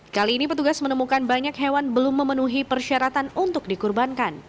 kali ini petugas menemukan banyak hewan belum memenuhi persyaratan untuk dikurbankan